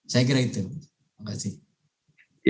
saya kira itu terima kasih